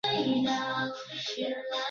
此技术本来是为射电天文学开发。